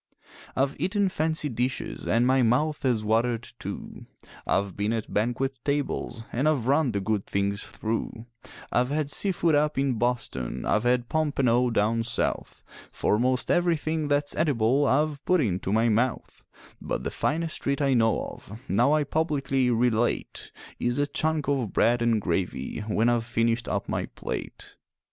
I've eaten fancy dishes an' my mouth has watered, too; I've been at banquet tables an' I've run the good things through; I've had sea food up in Boston, I've had pompano down South, For most everything that's edible I've put into my mouth; But the finest treat I know of, now I publicly relate, Is a chunk of bread and gravy when I've finished up my plate.